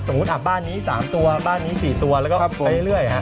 สมมุติอาบบ้านนี้๓ตัวบ้านนี้๔ตัวแล้วก็ไปเรื่อยครับ